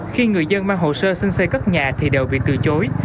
khi người dân mang hồ sơ xin xây cất nhà thì đều bị từ chối